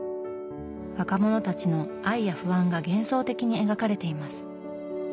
若者たちの愛や不安が幻想的に描かれています。